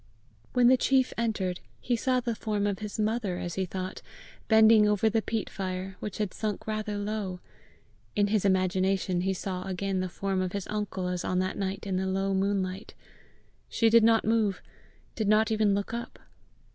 When the chief entered, he saw the form of his mother, as he thought, bending over the peat fire, which had sunk rather low: in his imagination he saw again the form of his uncle as on that night in the low moonlight. She did not move, did not even look up.